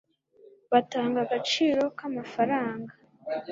batanga agaciro kumafaranga